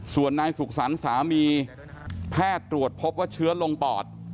ส่วนนายสุขสรรค์สามีแพทย์ตรวจพบว่าเชื้อลงปอด